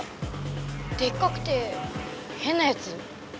でっかくてへんなやつ？